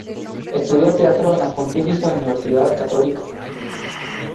Estudió teatro en la Pontificia Universidad Católica de Chile.